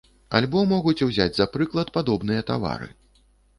Альбо могуць узяць за прыклад падобныя тавары.